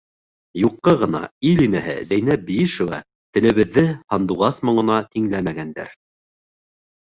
Юҡҡа ғына ил инәһе Зәйнәб Биишева телебеҙҙе һандуғас моңона тиңләмәгәндер!